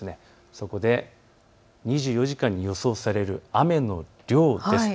そこで２４時間に予想される雨の量です。